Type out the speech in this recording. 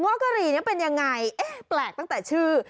ง๊อกรีนี้เป็นยังไงแปลกตั้งแต่ชื่อ